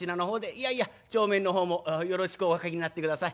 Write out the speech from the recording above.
いやいや帳面の方もよろしくお書きになってください。